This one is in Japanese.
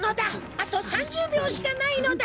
あと３０びょうしかないのだ！